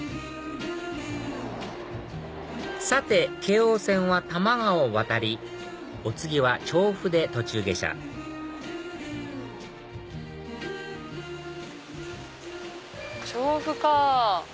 さて京王線は多摩川を渡りお次は調布で途中下車調布か。